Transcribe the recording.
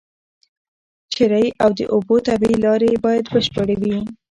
چرۍ او د اوبو طبيعي لاري بايد بشپړي